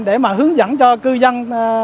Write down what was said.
để mà hướng dẫn cho cư dân